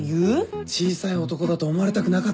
小さい男だと思われたくなかったんだよ。